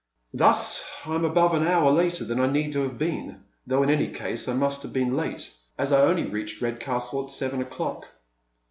Thus I am ahove an hotu' later than I need have been, though in any case I must have been late, as I only reached Redcastle at seven o'clock.